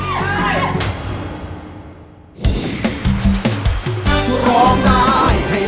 ไม่อยากรบกวนที่เราต้องรอเท่าไหร่